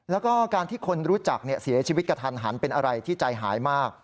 แล้วก็การที่คนรู้จักเสียชีวิตกระทันหันเป็นอะไรที่ใจหายมาก